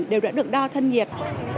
đều đã được đo thân nhiệt